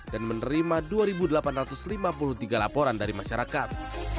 dan menerima dua delapan ratus lima puluh tiga laporan dari masyarakat